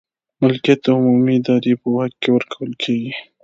ملکیت د عمومي ادارې په واک کې ورکول کیږي.